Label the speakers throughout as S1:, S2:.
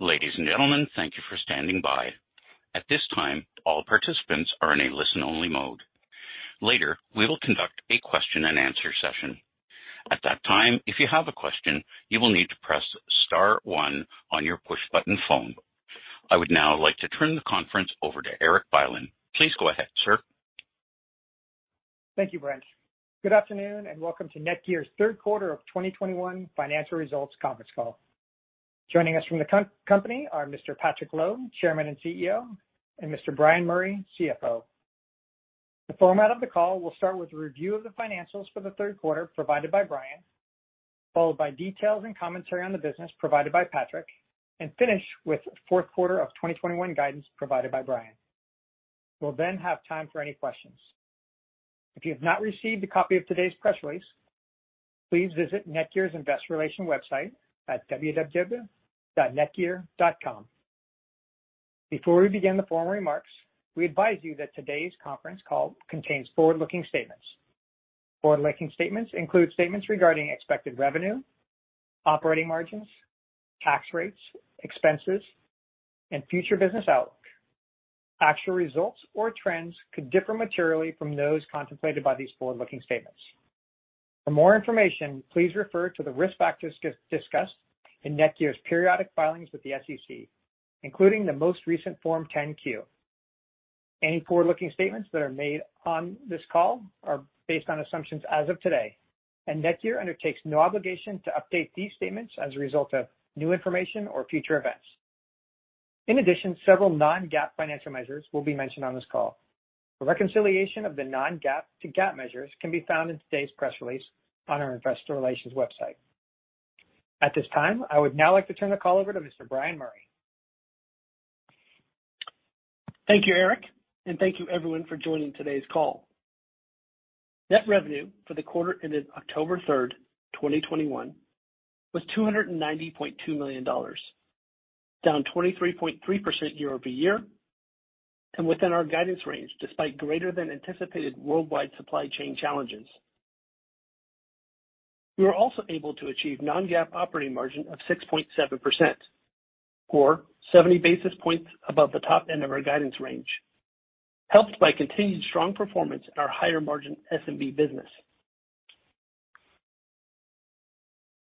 S1: Ladies and gentlemen, thank you for standing by. At this time, all participants are in a listen-only mode. Later, we will conduct a question and answer session. At that time, if you have a question, you will need to press star one on your push-button phone. I would now like to turn the conference over to Erik Bylin. Please go ahead, sir.
S2: Thank you, Brent. Good afternoon, and welcome to NETGEAR's third quarter of 2021 financial results conference call. Joining us from the company are Mr. Patrick Lo, Chairman and CEO, and Mr. Bryan Murray, CFO. The format of the call will start with a review of the financials for the third quarter provided by Bryan, followed by details and commentary on the business provided by Patrick, and finish with fourth quarter of 2021 guidance provided by Bryan. We'll then have time for any questions. If you have not received a copy of today's press release, please visit NETGEAR's Investor Relations website at www.netgear.com. Before we begin the formal remarks, we advise you that today's conference call contains forward-looking statements. Forward-looking statements include statements regarding expected revenue, operating margins, tax rates, expenses, and future business outlook. Actual results or trends could differ materially from those contemplated by these forward-looking statements. For more information, please refer to the risk factors discussed in NETGEAR's periodic filings with the SEC, including the most recent Form 10-Q. Any forward-looking statements that are made on this call are based on assumptions as of today, and NETGEAR undertakes no obligation to update these statements as a result of new information or future events. In addition, several non-GAAP financial measures will be mentioned on this call. A reconciliation of the non-GAAP to GAAP measures can be found in today's press release on our investor relations website. At this time, I would now like to turn the call over to Mr. Bryan Murray.
S3: Thank you, Erik, and thank you everyone for joining today's call. Net revenue for the quarter ended October 3, 2021 was $290.2 million, down 23.3% year-over-year and within our guidance range, despite greater than anticipated worldwide supply chain challenges. We were also able to achieve non-GAAP operating margin of 6.7% or 70 basis points above the top end of our guidance range, helped by continued strong performance in our higher margin SMB business.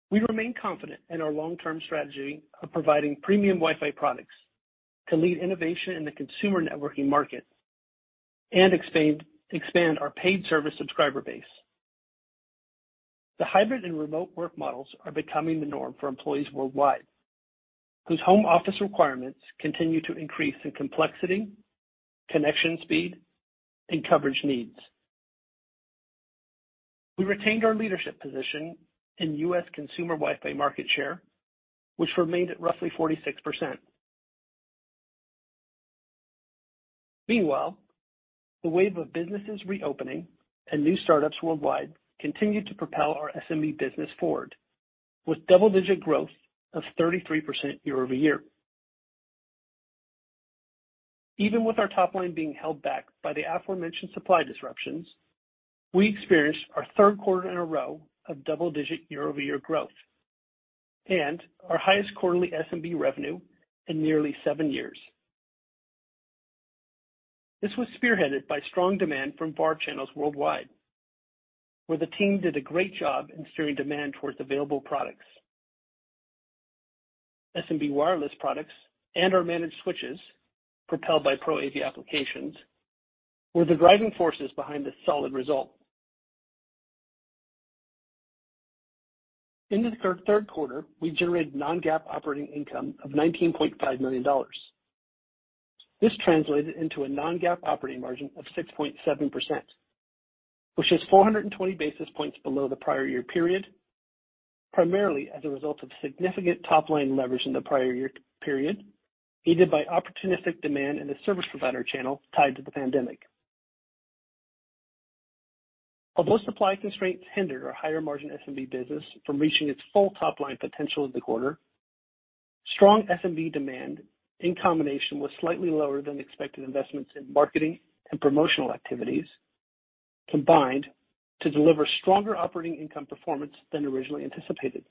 S3: We remain confident in our long-term strategy of providing premium Wi-Fi products to lead innovation in the consumer networking market and expand our paid service subscriber base. The hybrid and remote work models are becoming the norm for employees worldwide, whose home office requirements continue to increase in complexity, connection speed, and coverage needs. We retained our leadership position in U.S. consumer Wi-Fi market share, which remained at roughly 46%. Meanwhile, the wave of businesses reopening and new startups worldwide continued to propel our SMB business forward with double-digit growth of 33% year-over-year. Even with our top line being held back by the aforementioned supply disruptions, we experienced our third quarter in a row of double-digit year-over-year growth and our highest quarterly SMB revenue in nearly seven years. This was spearheaded by strong demand from VAR channels worldwide, where the team did a great job in steering demand towards available products. SMB wireless products and our managed switches propelled by Pro AV applications were the driving forces behind this solid result. In the third quarter, we generated non-GAAP operating income of $19.5 million. This translated into a non-GAAP operating margin of 6.7%, which is 420 basis points below the prior year period, primarily as a result of significant top line leverage in the prior year period, aided by opportunistic demand in the service provider channel tied to the pandemic. Although supply constraints hindered our higher margin SMB business from reaching its full top line potential in the quarter, strong SMB demand in combination with slightly lower than expected investments in marketing and promotional activities, combined to deliver stronger operating income performance than originally anticipated.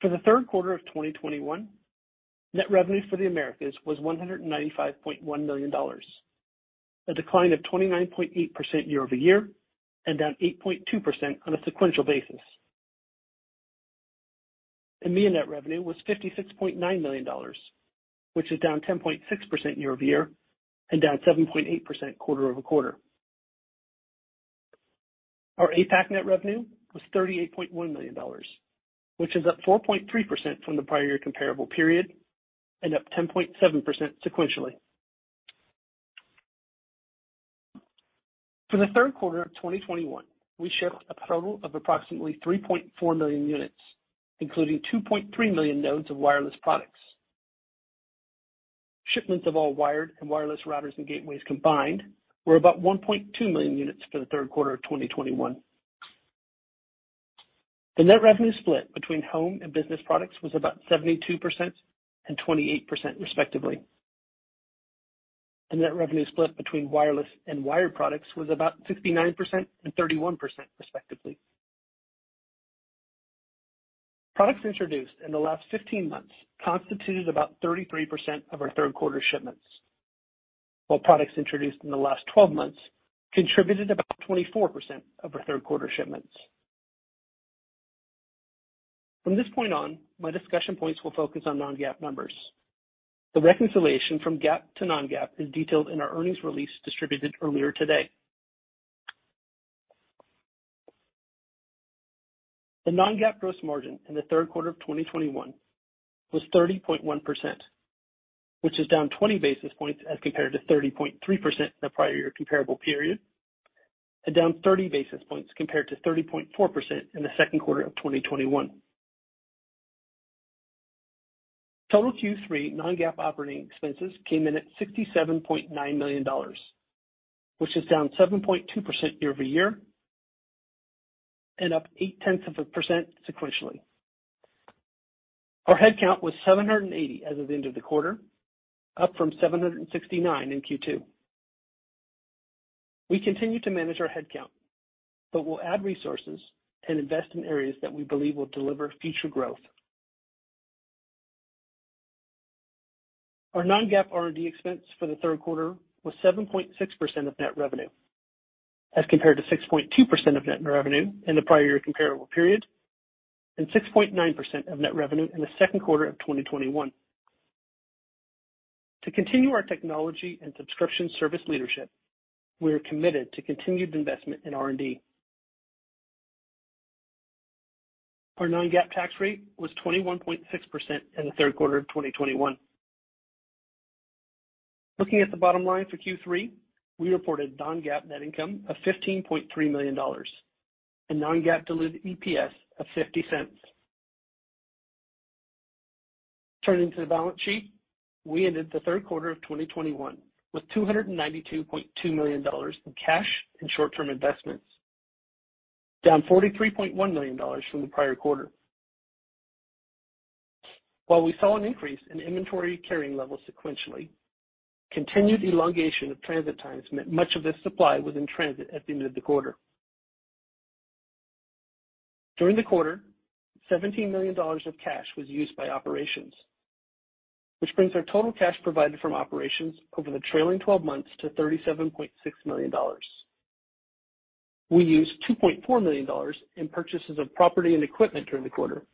S3: For the third quarter of 2021, net revenue for the Americas was $195.1 million, a decline of 29.8% year over year and down 8.2% on a sequential basis. EMEA net revenue was $56.9 million, which is down 10.6% year-over-year and down 7.8% quarter-over-quarter. Our APAC net revenue was $38.1 million, which is up 4.3% from the prior comparable period and up 10.7% sequentially. For the third quarter of 2021, we shipped a total of approximately 3.4 million units, including 2.3 million nodes of wireless products. Shipments of all wired and wireless routers and gateways combined were about 1.2 million units for the third quarter of 2021. The net revenue split between home and business products was about 72% and 28%, respectively. The net revenue split between wireless and wired products was about 69% and 31% respectively. Products introduced in the last 15 months constituted about 33% of our third quarter shipments, while products introduced in the last 12 months contributed about 24% of our third quarter shipments. From this point on, my discussion points will focus on non-GAAP numbers. The reconciliation from GAAP to non-GAAP is detailed in our earnings release distributed earlier today. The non-GAAP gross margin in the third quarter of 2021 was 30.1%, which is down 20 basis points as compared to 30.3% in the prior year comparable period, and down 30 basis points compared to 30.4% in the second quarter of 2021. Total Q3 non-GAAP operating expenses came in at $67.9 million, which is down 7.2% year-over-year and up 0.8% sequentially. Our headcount was 780 as of the end of the quarter, up from 769 in Q2. We continue to manage our headcount, but we'll add resources and invest in areas that we believe will deliver future growth. Our non-GAAP R&D expense for the third quarter was 7.6% of net revenue, as compared to 6.2% of net revenue in the prior year comparable period, and 6.9% of net revenue in the second quarter of 2021. To continue our technology and subscription service leadership, we are committed to continued investment in R&D. Our non-GAAP tax rate was 21.6% in the third quarter of 2021. Looking at the bottom line for Q3, we reported non-GAAP net income of $15.3 million, a non-GAAP diluted EPS of $0.50. Turning to the balance sheet, we ended the third quarter of 2021 with $292.2 million in cash and short-term investments, down $43.1 million from the prior quarter. While we saw an increase in inventory carrying levels sequentially, continued elongation of transit times meant much of this supply was in transit at the end of the quarter. During the quarter, $17 million of cash was used by operations, which brings our total cash provided from operations over the trailing 12 months to $37.6 million. We used $2.4 million in purchases of property and equipment during the quarter,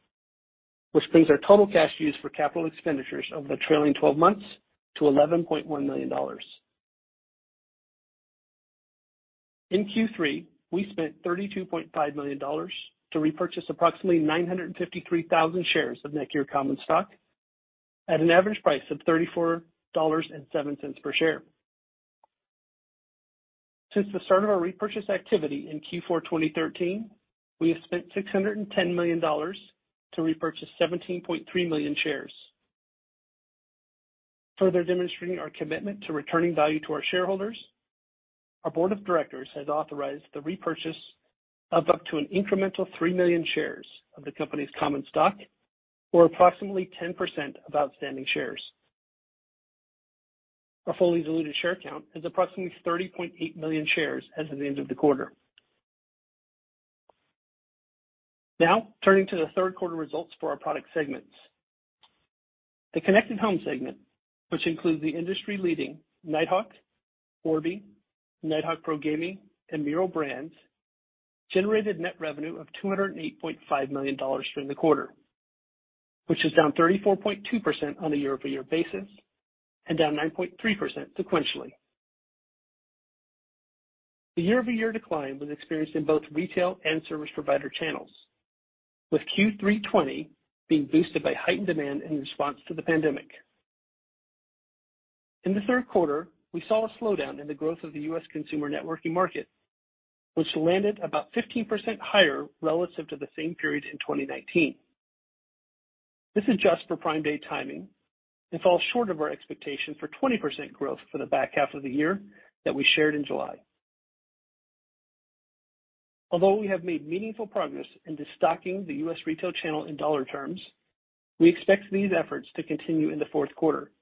S3: which brings our total cash used for capital expenditures over the trailing 12 months to $11.1 million. In Q3, we spent $32.5 million to repurchase approximately 953,000 shares of NETGEAR common stock at an average price of $34.07 per share. Since the start of our repurchase activity in Q4 2013, we have spent $610 million to repurchase 17.3 million shares. Further demonstrating our commitment to returning value to our shareholders, our board of directors has authorized the repurchase of up to an incremental 3 million shares of the company's common stock for approximately 10% of outstanding shares. Our fully diluted share count is approximately 30.8 million shares as of the end of the quarter. Now, turning to the third quarter results for our product segments. The Connected Home segment, which includes the industry-leading Nighthawk, Orbi, Nighthawk Pro Gaming, and Meural brands, generated net revenue of $208.5 million during the quarter, which is down 34.2% on a year-over-year basis, and down 9.3% sequentially. The year-over-year decline was experienced in both retail and service provider channels, with Q3 2020 being boosted by heightened demand in response to the pandemic. In the third quarter, we saw a slowdown in the growth of the U.S. consumer networking market, which landed about 15% higher relative to the same period in 2019. This adjusts for Prime Day timing and falls short of our expectation for 20% growth for the back half of the year that we shared in July. Although we have made meaningful progress in destocking the U.S. retail channel in dollar terms, we expect these efforts to continue in the fourth quarter,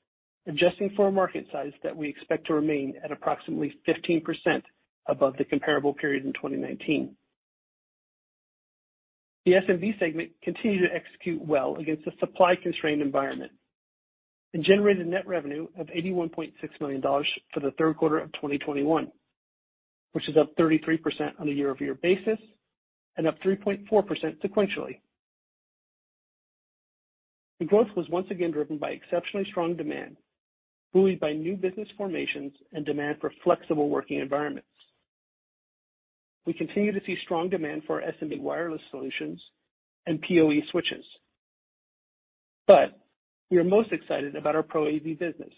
S3: adjusting for a market size that we expect to remain at approximately 15% above the comparable period in 2019. The SMB segment continued to execute well against a supply-constrained environment and generated net revenue of $81.6 million for the third quarter of 2021, which is up 33% on a year-over-year basis, and up 3.4% sequentially. The growth was once again driven by exceptionally strong demand, buoyed by new business formations and demand for flexible working environments. We continue to see strong demand for our SMB wireless solutions and PoE switches. We are most excited about our Pro AV business,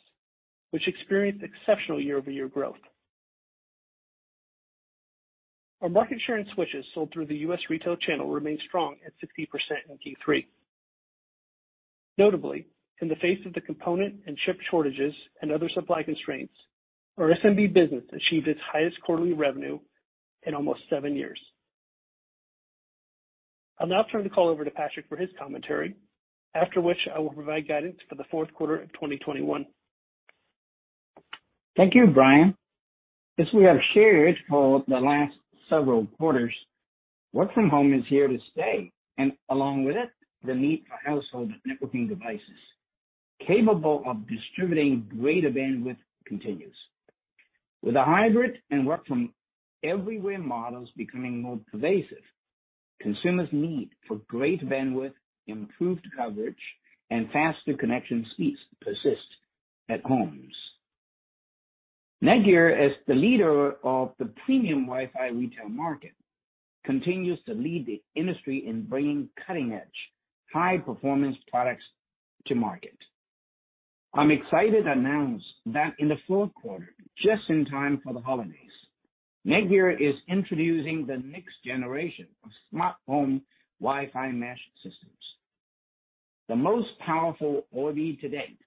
S3: which experienced exceptional year-over-year growth. Our market share in switches sold through the U.S. retail channel remained strong at 60% in Q3. Notably, in the face of the component and chip shortages and other supply constraints, our SMB business achieved its highest quarterly revenue in almost seven years. I'll now turn the call over to Patrick for his commentary, after which I will provide guidance for the fourth quarter of 2021.
S4: Thank you, Bryan. As we have shared for the last several quarters, work from home is here to stay, and along with it, the need for household networking devices capable of distributing greater bandwidth continues. With the hybrid and work from everywhere models becoming more pervasive, consumers' need for greater bandwidth, improved coverage, and faster connection speeds persist at homes. NETGEAR, as the leader of the premium Wi-Fi retail market, continues to lead the industry in bringing cutting-edge, high-performance products to market. I'm excited to announce that in the fourth quarter, just in time for the holidays, NETGEAR is introducing the next generation of smart home Wi-Fi mesh systems. The most powerful Orbi to date,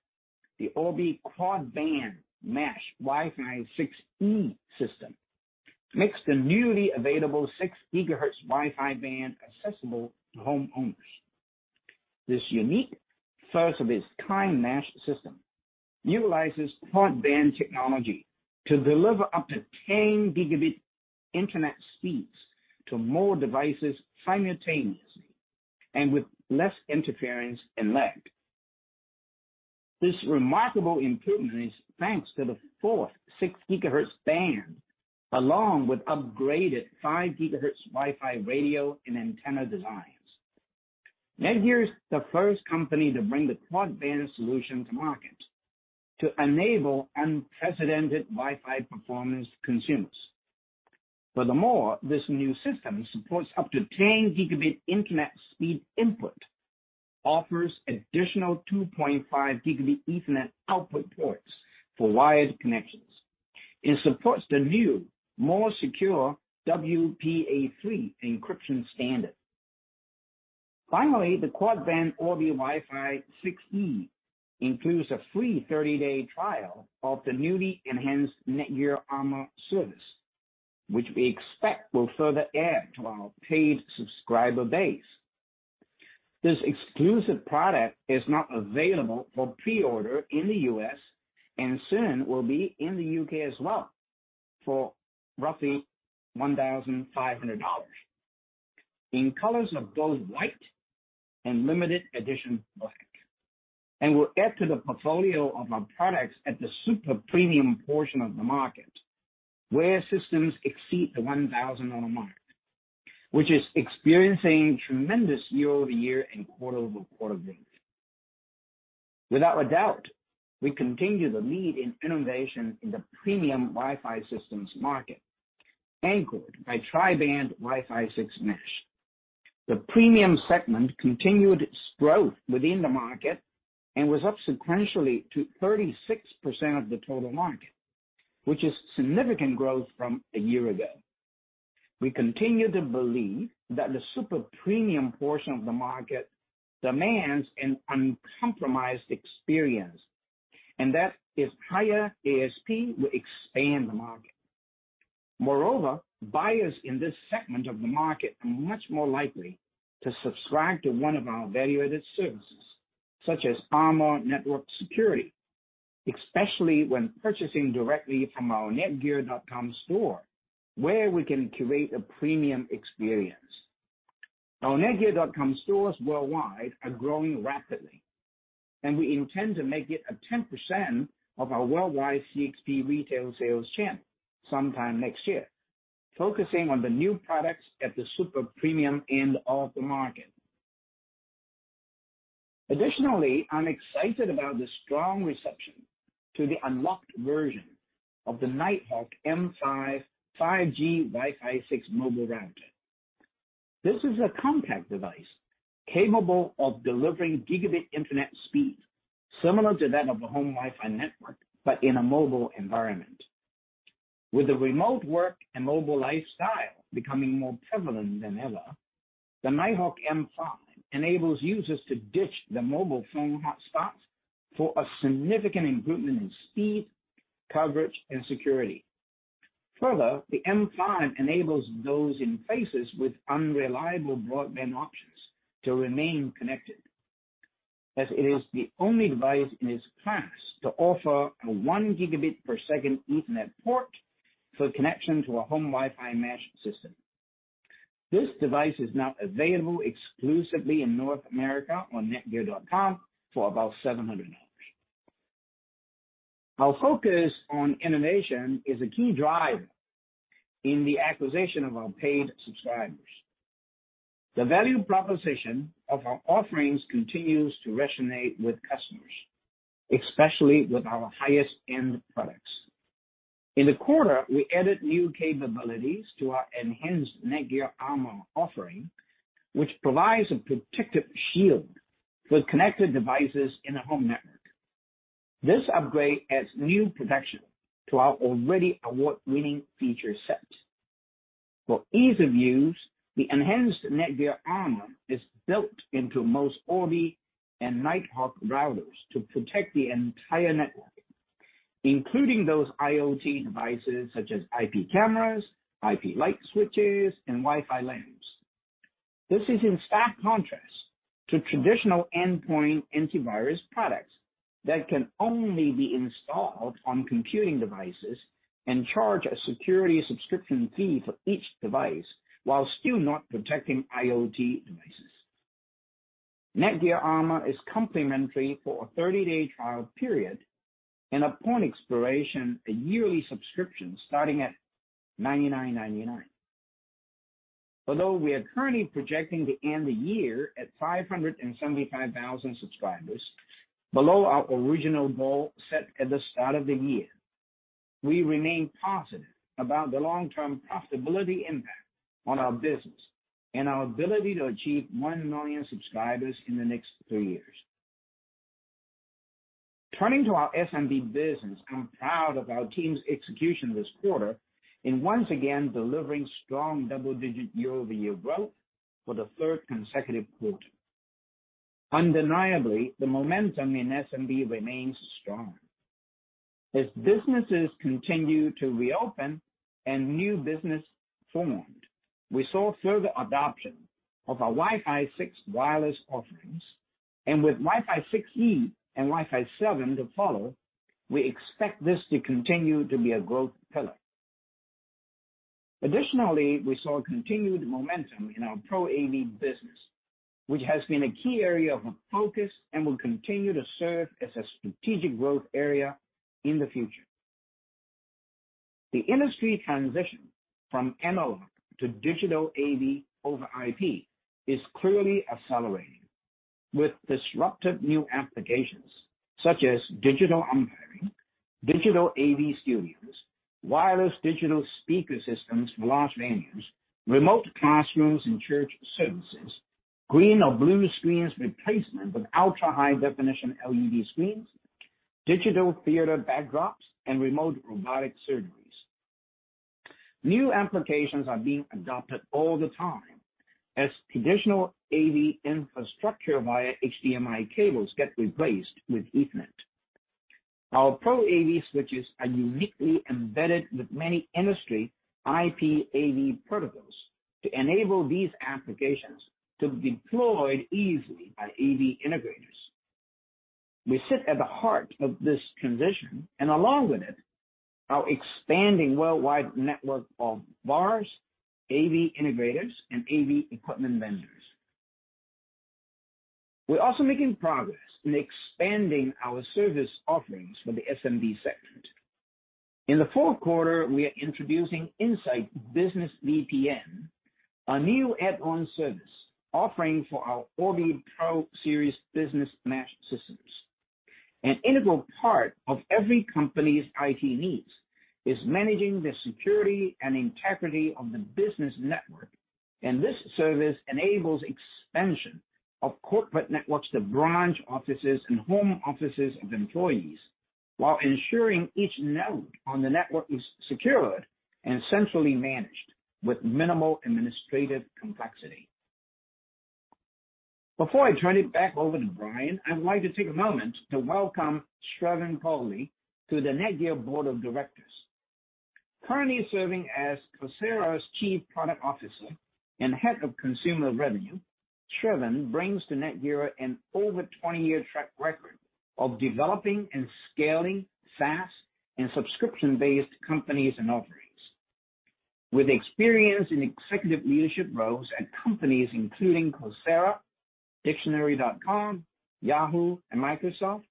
S4: the Orbi quad-band mesh Wi-Fi 6E system, makes the newly available 6 GHz Wi-Fi band accessible to homeowners. This unique, first of its kind mesh system utilizes quad-band technology to deliver up to 10 Gb internet speeds to more devices simultaneously and with less interference and lag. This remarkable improvement is thanks to the fourth 6 GHz band, along with upgraded 5 GHz Wi-Fi radio and antenna designs. NETGEAR is the first company to bring the quad-band solution to market to enable unprecedented Wi-Fi performance to consumers. Furthermore, this new system supports up to 10 Gb internet speed input, offers additional 2.5 Gb Ethernet output ports for wired connections. It supports the new, more secure WPA3 encryption standard. Finally, the quad-band Orbi Wi-Fi 6E includes a free 30-day trial of the newly enhanced NETGEAR Armor service, which we expect will further add to our paid subscriber base. This exclusive product is now available for preorder in the U.S., and soon will be in the U.K. as well, for roughly $1,500. In colors of both white and limited edition black, and will add to the portfolio of our products at the super premium portion of the market, where systems exceed the $1,000 mark, which is experiencing tremendous year-over-year and quarter-over-quarter growth. Without a doubt, we continue to lead in innovation in the premium Wi-Fi systems market, anchored by tri-band Wi-Fi 6 mesh. The premium segment continued its growth within the market and was up sequentially to 36% of the total market, which is significant growth from a year ago. We continue to believe that the super premium portion of the market demands an uncompromised experience, and that its higher ASP will expand the market. Moreover, buyers in this segment of the market are much more likely to subscribe to one of our value-added services, such as Armor network security, especially when purchasing directly from our netgear.com store, where we can curate a premium experience. Our netgear.com stores worldwide are growing rapidly, and we intend to make it 10% of our worldwide CHP retail sales channel sometime next year, focusing on the new products at the super premium end of the market. Additionally, I'm excited about the strong reception to the unlocked version of the Nighthawk M5 5G Wi-Fi 6 mobile router. This is a compact device capable of delivering gigabit internet speed similar to that of a home Wi-Fi network but in a mobile environment. With the remote work and mobile lifestyle becoming more prevalent than ever, the Nighthawk M5 enables users to ditch their mobile phone hotspot for a significant improvement in speed, coverage, and security. Further, the M5 enables those in places with unreliable broadband options to remain connected, as it is the only device in its class to offer a 1 Gb per second Ethernet port for connection to a home Wi-Fi mesh system. This device is now available exclusively in North America on netgear.com for about $700. Our focus on innovation is a key driver in the acquisition of our paid subscribers. The value proposition of our offerings continues to resonate with customers, especially with our highest end products. In the quarter, we added new capabilities to our enhanced NETGEAR Armor offering, which provides a protective shield for connected devices in a home network. This upgrade adds new protection to our already award-winning feature set. For ease of use, the enhanced NETGEAR Armor is built into most Orbi and Nighthawk routers to protect the entire network. Including those IoT devices such as IP cameras, IP light switches, and Wi-Fi lamps. This is in stark contrast to traditional endpoint antivirus products that can only be installed on computing devices and charge a security subscription fee for each device while still not protecting IoT devices. NETGEAR Armor is complimentary for a 30-day trial period, and upon expiration, a yearly subscription starting at $99.99. Although we are currently projecting to end the year at 575,000 subscribers, below our original goal set at the start of the year, we remain positive about the long-term profitability impact on our business and our ability to achieve one million subscribers in the next three years. Turning to our SMB business, I'm proud of our team's execution this quarter in once again delivering strong double-digit year-over-year growth for the third consecutive quarter. Undeniably, the momentum in SMB remains strong. As businesses continue to reopen and new business formed, we saw further adoption of our Wi-Fi 6 wireless offerings. With Wi-Fi 6E and Wi-Fi 7 to follow, we expect this to continue to be a growth pillar. Additionally, we saw continued momentum in our Pro AV business, which has been a key area of focus and will continue to serve as a strategic growth area in the future. The industry transition from analog to digital AV over IP is clearly accelerating with disruptive new applications such as digital umpires, digital AV studios, wireless digital speaker systems for large venues, remote classrooms and church services, green or blue screens replacement with ultra-high definition LED screens, digital theater backdrops, and remote robotic surgeries. New applications are being adopted all the time as traditional AV infrastructure via HDMI cables get replaced with Ethernet. Our Pro AV switches are uniquely embedded with many industry IP AV protocols to enable these applications to be deployed easily by AV integrators. We sit at the heart of this transition, and along with it, our expanding worldwide network of VARs, AV integrators, and AV equipment vendors. We're also making progress in expanding our service offerings for the SMB segment. In the fourth quarter, we are introducing Insight Business VPN, a new add-on service offering for our Orbi Pro series business mesh systems. An integral part of every company's IT needs is managing the security and integrity of the business network, and this service enables expansion of corporate networks to branch offices and home offices of employees while ensuring each node on the network is secured and centrally managed with minimal administrative complexity. Before I turn it back over to Bryan, I wanted to take a moment to welcome Shravan Goli to the NETGEAR board of directors. Currently serving as Coursera's Chief Product Officer and Head of Consumer Revenue, Shravan brings to NETGEAR an over 20-year track record of developing and scaling SaaS and subscription-based companies and offerings. With experience in executive leadership roles at companies including Coursera, Dictionary.com, Yahoo, and Microsoft,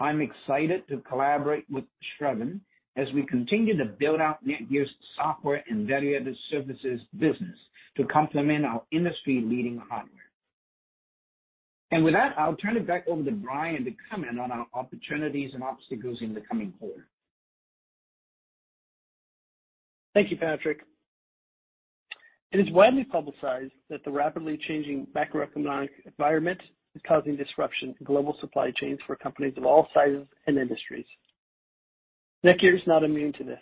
S4: I'm excited to collaborate with Shravan as we continue to build out NETGEAR's software and value-added services business to complement our industry-leading hardware. With that, I'll turn it back over to Bryan to comment on our opportunities and obstacles in the coming quarter.
S3: Thank you, Patrick. It is widely publicized that the rapidly changing macroeconomic environment is causing disruption in global supply chains for companies of all sizes and industries. NETGEAR is not immune to this.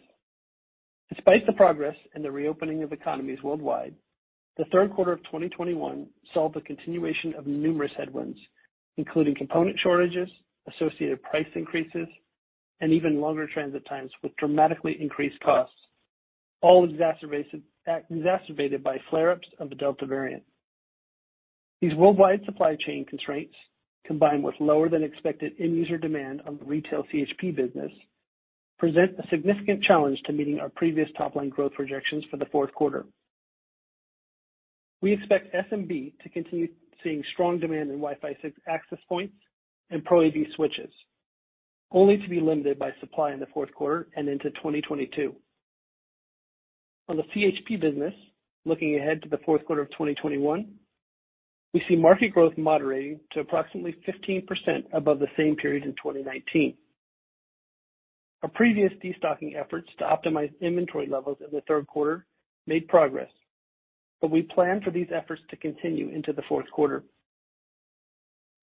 S3: Despite the progress in the reopening of economies worldwide, the third quarter of 2021 saw the continuation of numerous headwinds, including component shortages, associated price increases, and even longer transit times with dramatically increased costs, all exacerbated by flare-ups of the Delta variant. These worldwide supply chain constraints, combined with lower than expected end user demand on the retail CHP business, present a significant challenge to meeting our previous top-line growth projections for the fourth quarter. We expect SMB to continue seeing strong demand in Wi-Fi 6 access points and Pro AV switches, only to be limited by supply in the fourth quarter and into 2022. On the CHP business, looking ahead to the fourth quarter of 2021, we see market growth moderating to approximately 15% above the same period in 2019. Our previous destocking efforts to optimize inventory levels in the third quarter made progress, but we plan for these efforts to continue into the fourth quarter.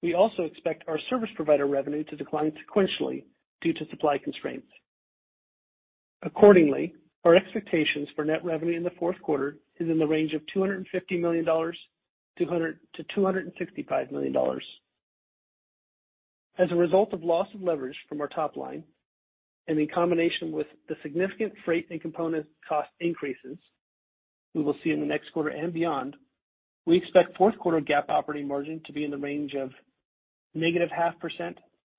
S3: We also expect our service provider revenue to decline sequentially due to supply constraints. Accordingly, our expectations for net revenue in the fourth quarter is in the range of $250 million-$265 million. As a result of loss of leverage from our top line and in combination with the significant freight and component cost increases we will see in the next quarter and beyond, we expect fourth quarter GAAP operating margin to be in the range of -0.5%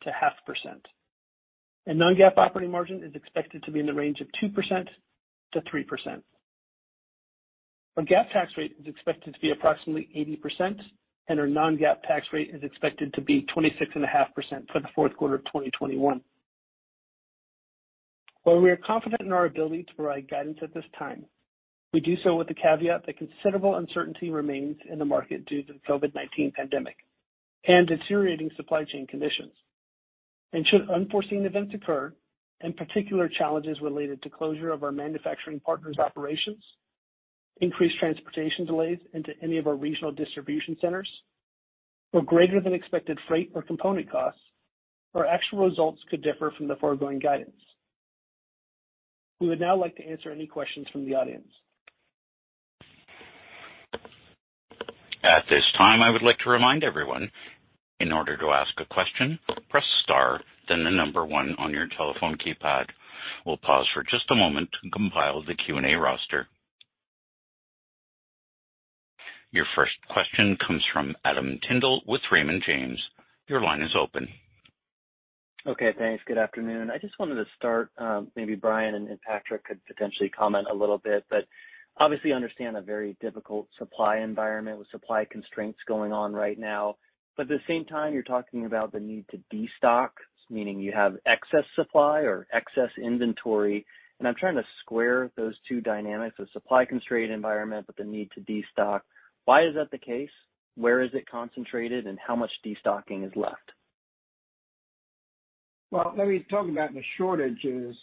S3: to 0.5%. Non-GAAP operating margin is expected to be in the range of 2%-3%. Our GAAP tax rate is expected to be approximately 80%, and our non-GAAP tax rate is expected to be 26.5% for the fourth quarter of 2021. While we are confident in our ability to provide guidance at this time, we do so with the caveat that considerable uncertainty remains in the market due to the COVID-19 pandemic and deteriorating supply chain conditions. Should unforeseen events occur, and particular challenges related to closure of our manufacturing partners operations, increased transportation delays into any of our regional distribution centers, or greater than expected freight or component costs, our actual results could differ from the foregoing guidance. We would now like to answer any questions from the audience.
S1: At this time, I would like to remind everyone, in order to ask a question, press star then the number one on your telephone keypad. We'll pause for just a moment to compile the Q&A roster. Your first question comes from Adam Tindle with Raymond James. Your line is open.
S5: Okay, thanks. Good afternoon. I just wanted to start, maybe Bryan and Patrick could potentially comment a little bit, but obviously understand a very difficult supply environment with supply constraints going on right now. At the same time you're talking about the need to destock, meaning you have excess supply or excess inventory. I'm trying to square those two dynamics of supply constrained environment, but the need to destock. Why is that the case? Where is it concentrated, and how much destocking is left?
S4: Well, let me talk about the shortages.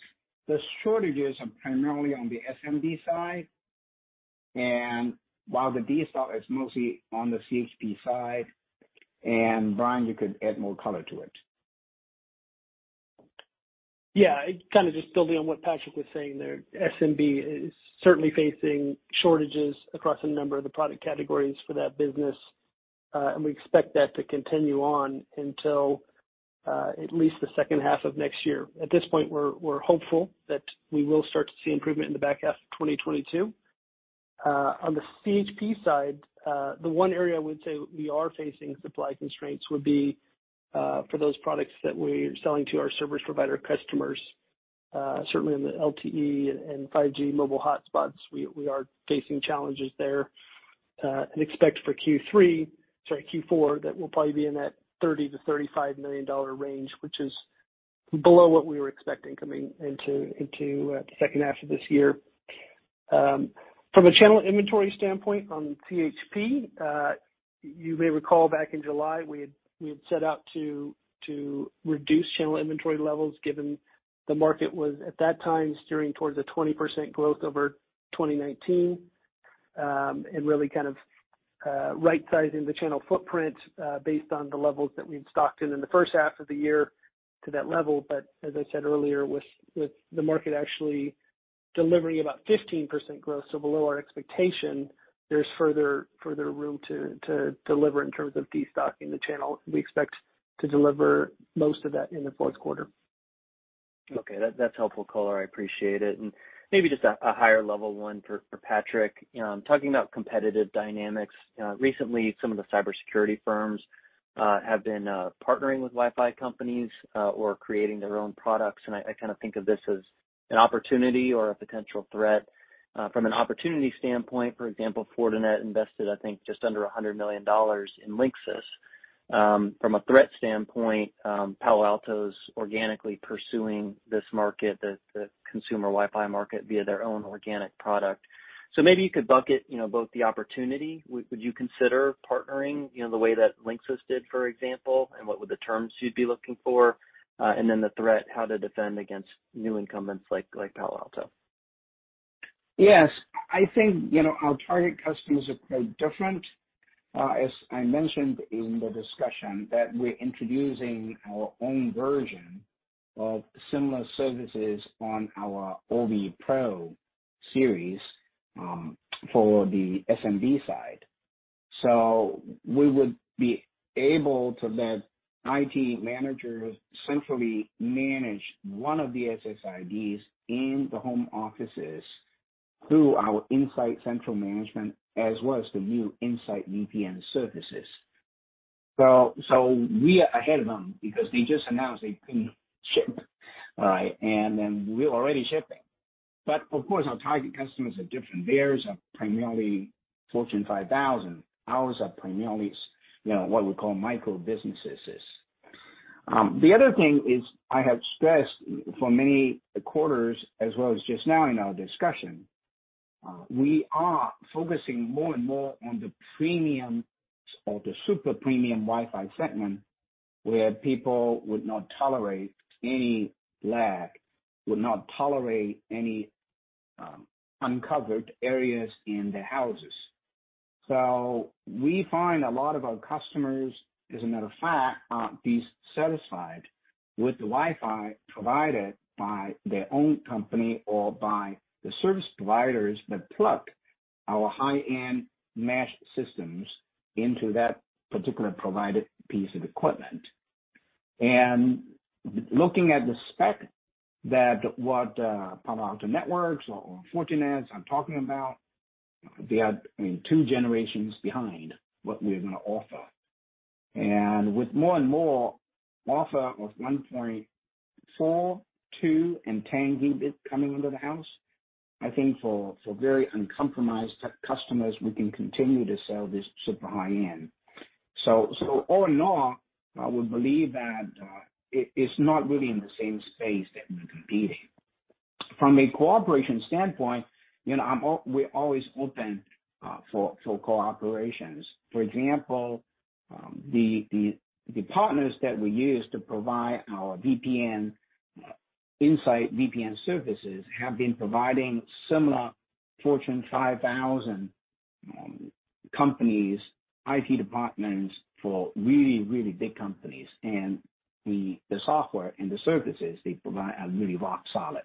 S4: The shortages are primarily on the SMB side, and while the destock is mostly on the CHP side, and Bryan, you could add more color to it.
S3: Yeah. Kind of just building on what Patrick was saying there. SMB is certainly facing shortages across a number of the product categories for that business, and we expect that to continue on until at least the second half of next year. At this point, we're hopeful that we will start to see improvement in the back half of 2022. On the CHP side, the one area I would say we are facing supply constraints would be for those products that we're selling to our service provider customers. Certainly on the LTE and 5G mobile hotspots, we are facing challenges there. We expect for Q4 that we'll probably be in that $30 million-$35 million range, which is below what we were expecting coming into the second half of this year. From a channel inventory standpoint on CHP, you may recall back in July, we had set out to reduce channel inventory levels given the market was at that time steering towards a 20% growth over 2019, and really kind of right sizing the channel footprint based on the levels that we've stocked in the first half of the year to that level. As I said earlier, with the market actually delivering about 15% growth, so below our expectation, there's further room to deliver in terms of destocking the channel. We expect to deliver most of that in the fourth quarter.
S5: Okay. That's helpful color. I appreciate it. Maybe just a higher level one for Patrick. Talking about competitive dynamics. Recently some of the cybersecurity firms have been partnering with Wi-Fi companies or creating their own products, and I kind of think of this as an opportunity or a potential threat. From an opportunity standpoint, for example, Fortinet invested I think just under $100 million in Linksys. From a threat standpoint, Palo Alto's organically pursuing this market, the consumer Wi-Fi market, via their own organic product. Maybe you could bucket both the opportunity. Would you consider partnering the way that Linksys did, for example, and what would the terms you'd be looking for? Then the threat, how to defend against new incumbents like Palo Alto.
S4: Yes. I think, you know, our target customers are quite different. As I mentioned in the discussion that we're introducing our own version of similar services on our Orbi Pro series, for the SMB side. We would be able to let IT managers centrally manage one of the SSIDs in the home offices through our Insight central management as well as the new Insight VPN services. We are ahead of them because they just announced they couldn't ship, right? We're already shipping. Our target customers are different. Theirs are primarily Fortune 5000. Ours are primarily, you know, what we call micro-businesses. The other thing is, I have stressed for many quarters as well as just now in our discussion, we are focusing more and more on the premium or the super premium Wi-Fi segment, where people would not tolerate any lag, would not tolerate any uncovered areas in the houses. We find a lot of our customers, as a matter of fact, aren't as satisfied with the Wi-Fi provided by their own company or by the service providers that plug our high-end mesh systems into that particular provided piece of equipment. Looking at the specs of what Palo Alto Networks or Fortinet, I'm talking about, they are, I mean, two generations behind what we're gonna offer. With more and more offer of 1.4 Gb, 2 Gb, and 10 Gb coming into the house, I think for very uncompromised customers, we can continue to sell this super high-end. All in all, I would believe that it's not really in the same space that we're competing. From a cooperation standpoint, you know, we're always open for cooperations. For example, the partners that we use to provide our VPN, Insight VPN services have been providing similar Fortune 5000 companies, IT departments for really big companies. The software and the services they provide are really rock solid.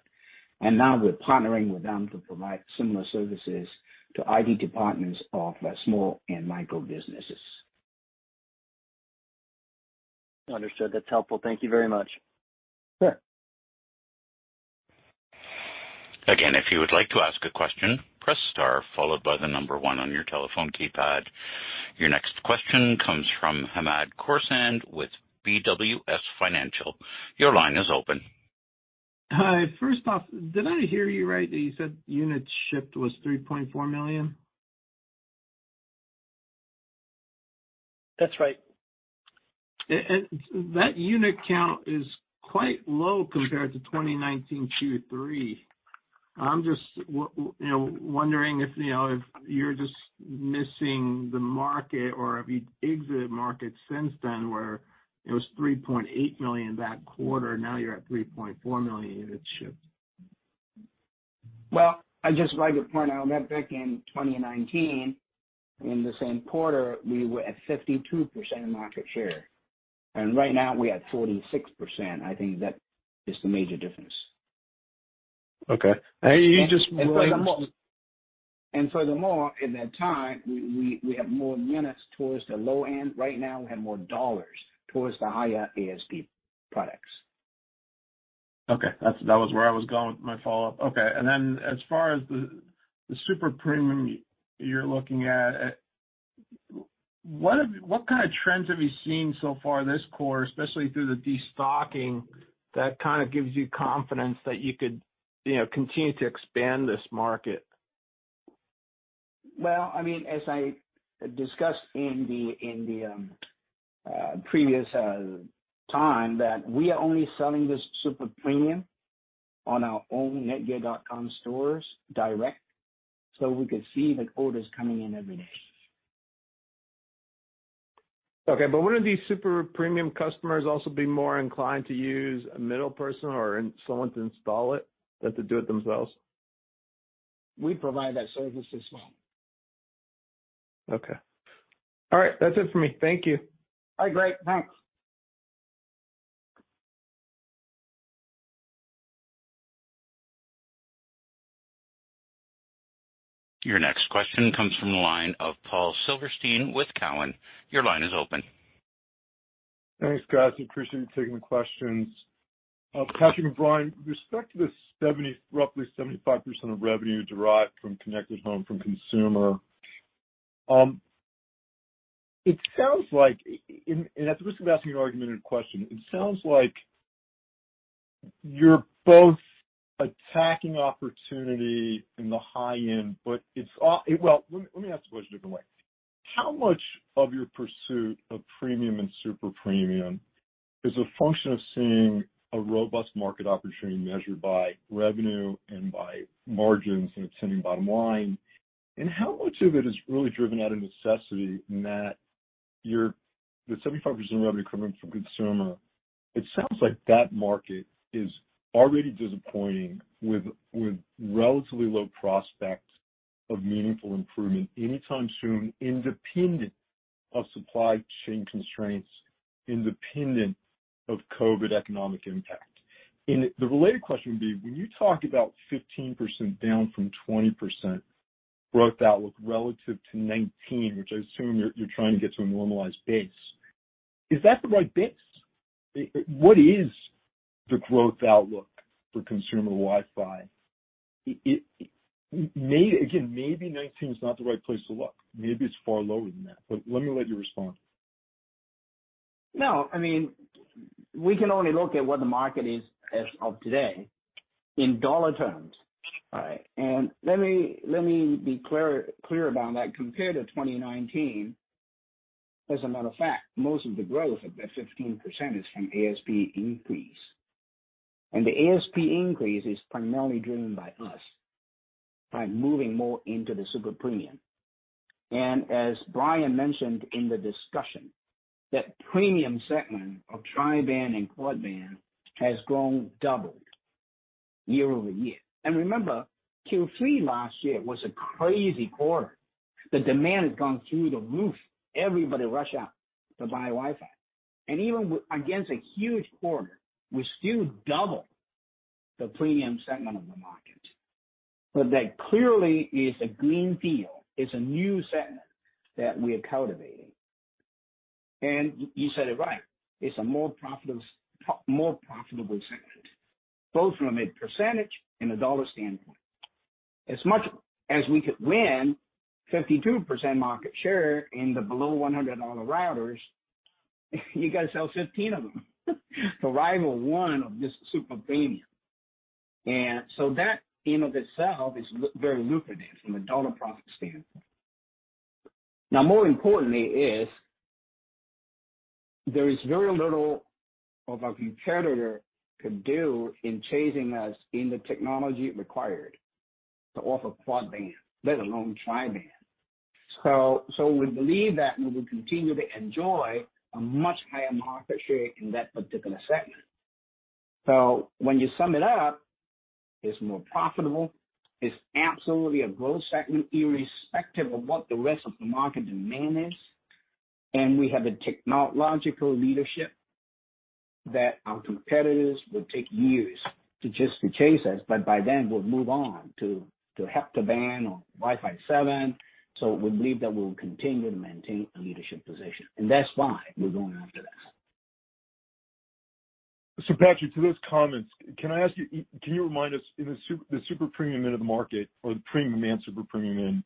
S4: Now we're partnering with them to provide similar services to IT departments of small and micro businesses.
S5: Understood. That's helpful. Thank you very much.
S4: Sure.
S1: Again, if you would like to ask a question, press star followed by the number one on your telephone keypad. Your next question comes from Hamed Khorsand with BWS Financial. Your line is open.
S6: Hi. First off, did I hear you right that you said units shipped was 3.4 million?
S4: That's right.
S6: That unit count is quite low compared to 2019 Q3. I'm just, you know, wondering if, you know, if you're just missing the market or if you've exited market since then, where it was 3.8 million that quarter, now you're at 3.4 million units shipped.
S4: Well, I'd just like to point out that back in 2019, in the same quarter, we were at 52% of market share, and right now we're at 46%. I think that is the major difference.
S6: Okay. You just-
S4: Furthermore, in that time, we have more units towards the low end. Right now, we have more dollars towards the higher ASP products.
S6: Okay. That was where I was going with my follow-up. Okay. As far as the super premium you're looking at, what kind of trends have you seen so far this quarter, especially through the destocking, that kind of gives you confidence that you could, you know, continue to expand this market?
S4: Well, I mean, as I discussed in the previous time, that we are only selling this super premium on our own netgear.com stores direct, so we can see the orders coming in every day.
S6: Wouldn't these super premium customers also be more inclined to use a middle person or someone to install it than to do it themselves?
S4: We provide that service as well.
S6: Okay. All right. That's it for me. Thank you.
S4: All right, great. Thanks.
S1: Your next question comes from the line of Paul Silverstein with Cowen. Your line is open.
S7: Thanks, guys. Appreciate you taking the questions. Patrick and Bryan, with respect to the roughly 75% of revenue derived from Connected Home, from consumer, it sounds like, and at the risk of asking an argumentative question, it sounds like you're both attacking opportunity in the high end, but it's. Well, let me ask the question a different way. How much of your pursuit of premium and super premium is a function of seeing a robust market opportunity measured by revenue and by margins and ascending bottom line? How much of it is really driven out of necessity in that you're the 75% revenue coming from consumer, it sounds like that market is already disappointing with relatively low prospect of meaningful improvement anytime soon, independent of supply chain constraints, independent of COVID economic impact. The related question would be, when you talk about 15% down from 20% growth outlook relative to 2019, which I assume you're trying to get to a normalized base, is that the right base? What is the growth outlook for consumer Wi-Fi? Again, maybe 2019 is not the right place to look. Maybe it's far lower than that. Let me let you respond.
S4: No, I mean, we can only look at what the market is as of today in dollar terms, all right? Let me be clear about that. Compared to 2019, as a matter of fact, most of the growth of that 15% is from ASP increase. The ASP increase is primarily driven by us, by moving more into the super premium. As Bryan mentioned in the discussion, that premium segment of tri-band and quad band has doubled year-over-year. Remember, Q3 last year was a crazy quarter. The demand has gone through the roof. Everybody rushed out to buy Wi-Fi. Against a huge quarter, we still doubled the premium segment of the market. That clearly is a green field. It's a new segment that we are cultivating. You said it right, it's a more profitable segment, both from a percentage and a dollar standpoint. As much as we could win 52% market share in the below $100 routers, you gotta sell 15 of them to rival one of this super premium. That in and of itself is very lucrative from a dollar profit standpoint. Now more importantly is, there is very little of our competitor can do in chasing us in the technology required to offer quad band, let alone tri-band. So we believe that we will continue to enjoy a much higher market share in that particular segment. When you sum it up, it's more profitable. It's absolutely a growth segment irrespective of what the rest of the market demand is, and we have a technological leadership that our competitors will take years to chase us. But by then we'll move on to hepta-band or Wi-Fi 7. We believe that we'll continue to maintain a leadership position. That's why we're going after that.
S7: Patrick, to those comments, can you remind us, in the super premium end of the market or the premium and super premium end,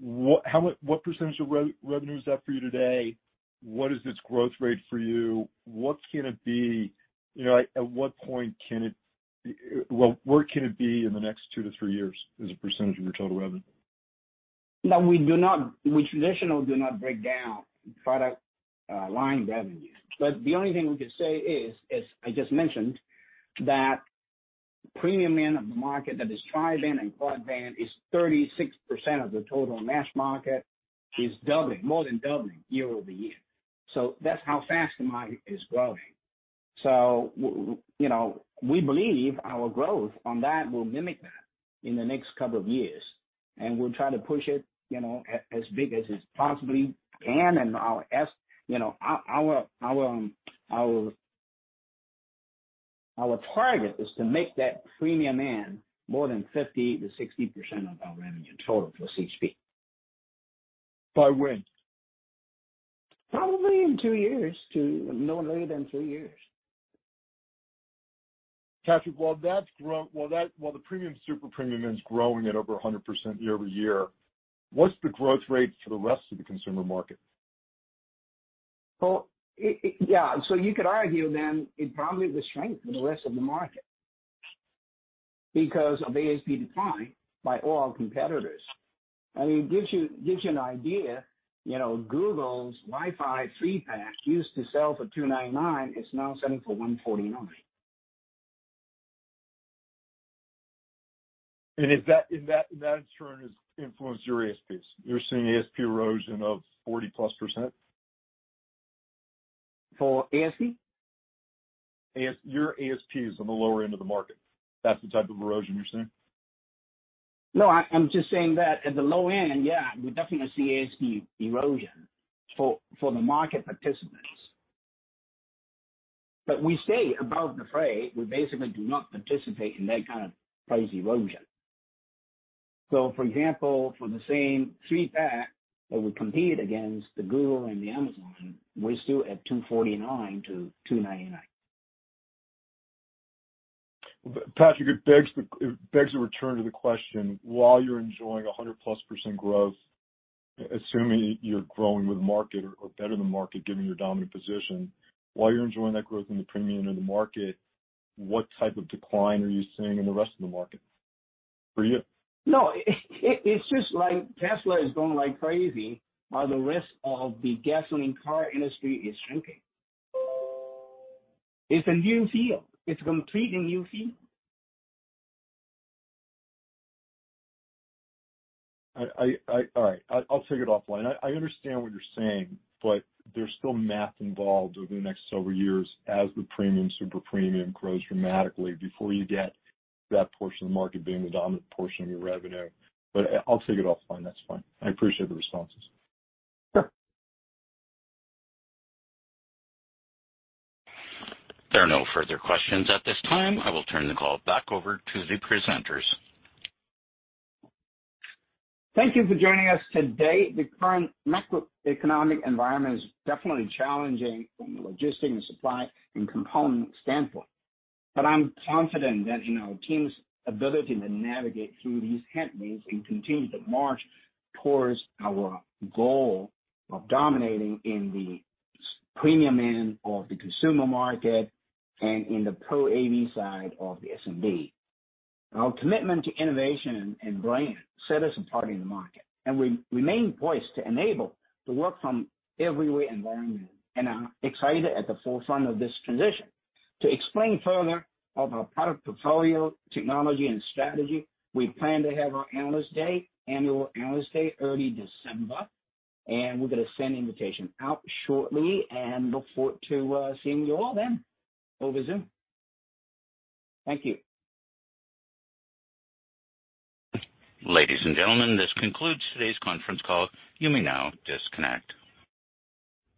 S7: what percentage of revenue is that for you today? What is its growth rate for you? What can it be? You know, at what point can it? Well, where can it be in the next two to three years as a percentage of your total revenue?
S4: Now, we traditionally do not break down product line revenues. But the only thing we could say is, as I just mentioned, that premium end of the market, that is tri-band and quad band, is 36% of the total NAS market. It's doubling, more than doubling year-over-year. So that's how fast the market is growing. So we, you know, we believe our growth on that will mimic that in the next couple of years, and we'll try to push it, you know, as big as it possibly can. Our target is to make that premium end more than 50%-60% of our revenue total for CHP.
S7: By when?
S4: Probably in two years to no later than three years.
S7: Patrick, while the premium, super premium is growing at over 100% year-over-year, what's the growth rate for the rest of the consumer market?
S4: Well. Yeah. You could argue then it probably will strengthen the rest of the market because of ASP decline by all competitors. I mean, gives you an idea, you know, Google's Wi-Fi three-pack used to sell for $299, it's now selling for $149.
S7: In turn has influenced your ASPs. You're seeing ASP erosion of 40%+?
S4: For ASP?
S7: Your ASPs on the lower end of the market. That's the type of erosion you're seeing?
S4: No, I'm just saying that at the low end, yeah, we're definitely gonna see ASP erosion for the market participants. We stay above the fray. We basically do not participate in that kind of price erosion. For example, for the same three-pack that we compete against the Google and the Amazon, we're still at $249-$299.
S7: Patrick, it begs a return to the question, while you're enjoying 100%+ growth, assuming you're growing with market or better than market given your dominant position, while you're enjoying that growth in the premium end of the market, what type of decline are you seeing in the rest of the market for you?
S4: No, it's just like Tesla is going like crazy, while the rest of the gasoline car industry is shrinking. It's a new field. It's a completely new field.
S7: All right. I'll take it offline. I understand what you're saying, but there's still math involved over the next several years as the premium, super premium grows dramatically before you get that portion of the market being the dominant portion of your revenue. I'll take it offline. That's fine. I appreciate the responses.
S4: Sure.
S1: There are no further questions at this time. I will turn the call back over to the presenters.
S4: Thank you for joining us today. The current macroeconomic environment is definitely challenging from a logistics and supply and component standpoint. I'm confident that, you know, our team's ability to navigate through these headwinds and continue to march towards our goal of dominating in the super-premium end of the consumer market and in the Pro AV side of the SMB. Our commitment to innovation and brand set us apart in the market, and we remain poised to enable the work from everywhere environment, and are excited at the forefront of this transition. To explain further on our product portfolio, technology, and strategy, we plan to have our analyst day, annual analyst day early December, and we're gonna send the invitation out shortly and look forward to seeing you all then over Zoom. Thank you.
S1: Ladies and gentlemen, this concludes today's conference call. You may now disconnect.